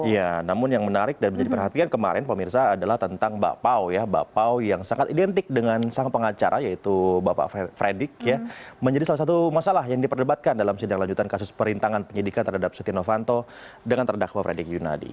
ya namun yang menarik dan menjadi perhatian kemarin pemirsa adalah tentang bapak pau yang sangat identik dengan sang pengacara yaitu bapak frederick menjadi salah satu masalah yang diperdebatkan dalam sidang lanjutan kasus perintangan penyidikan terhadap seti novanto dengan terhadap bapak frederick yunadi